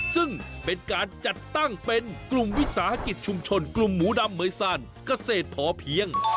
ซึ่งเป็นการจัดตั้งเป็นกลุ่มวิสาหกิจชุมชนกลุ่มหมูดำเหมือยซานเกษตรพอเพียง